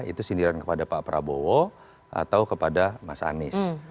itu sindiran kepada pak prabowo atau kepada mas anies